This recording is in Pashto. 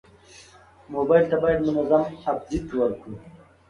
موبایل ته باید منظم اپډیټ ورکړو.